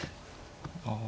あ。